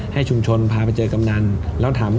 ให้ชุมชนพาไปเจอกำนันแล้วถาม